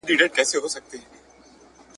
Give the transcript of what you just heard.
وي به درې کلنه ماته ښکاري میاشتنۍ ..